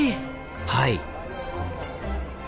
はい。